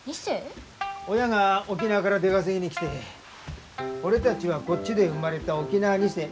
親が沖縄から出稼ぎに来て俺たちはこっちで生まれた沖縄二世。